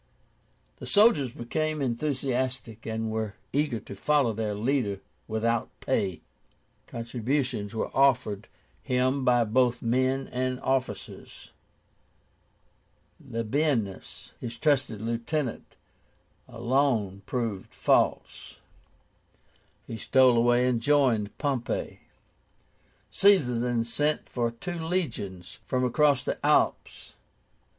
The soldiers became enthusiastic, and were eager to follow their leader without pay. Contributions were offered him by both men and officers. LABIENUS, his trusted lieutenant, alone proved false. He stole away, and joined Pompey. Caesar then sent for two legions from across the Alps.